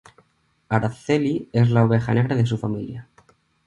Aracely es la oveja negra de su familia.